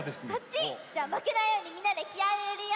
じゃあまけないようにみんなできあいをいれるよ！